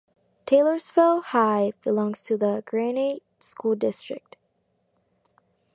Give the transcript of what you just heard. Taylorsville High belongs to the Granite School District.